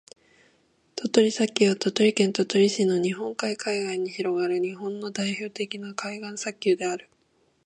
鳥取砂丘は、鳥取県鳥取市の日本海海岸に広がる日本の代表的な海岸砂丘である。